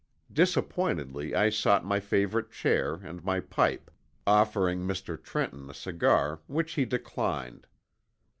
Disappointedly I sought my favorite chair and my pipe, offering Mr. Trenton a cigar, which he declined.